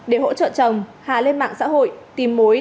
để hỗ trợ chồng hà lên mạng xã hội tìm mối